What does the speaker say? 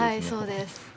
そうです。